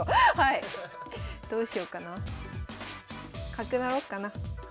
角成ろっかな。